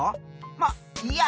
まっいいや！